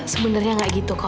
sebenarnya gak gitu kok pak